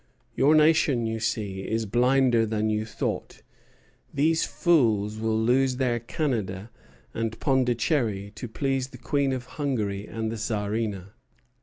Your nation, you see, is blinder than you thought. These fools will lose their Canada and Pondicherry to please the Queen of Hungary and the Czarina."